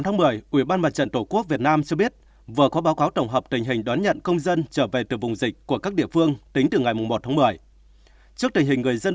ngày tám một mươi ubnd tp hcm cho biết vừa có báo cáo tổng hợp tình hình đón nhận công dân trở về từ vùng dịch của các địa phương tính từ ngày một một mươi